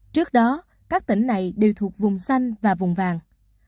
trước đó các tỉnh này đều thuộc vùng xanh và vùng vàng